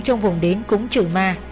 trong vùng đến cúng trữ ma